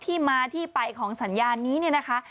ที่มาที่ไปของสัญญาณนี้เนี่ยนะคะ